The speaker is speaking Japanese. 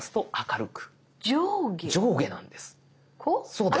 そうです。